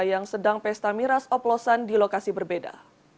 yang sedang pesta miras oplosan di lokasi berbeda